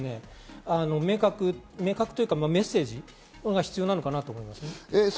そこをもう少し細かくメッセージが必要なのかなと思います。